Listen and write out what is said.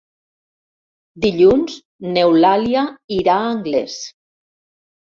Dilluns n'Eulàlia irà a Anglès.